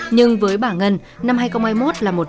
nhưng với bà ngân năm hai nghìn hai mươi một là một ngày tốt nhất